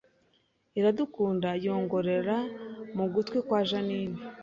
Iradukunda yongorera mu gutwi kwa Jeaninne